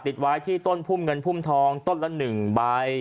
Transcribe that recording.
ติดไว้ที่ต้นพุ่มเงินพุ่มทองต้นละ๑ใบ